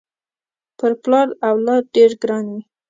پر پلار اولاد ډېر ګران وي